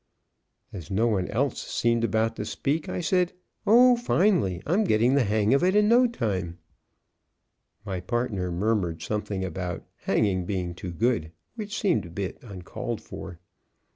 As no one else seemed about to speak, I said: "Oh, finely, I'm getting the hang of it in no time." My partner muttered something about hanging being too good, which seemed a bit uncalled for.